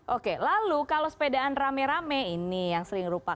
oke lalu kalau sepedaan rame rame ini yang sering rupa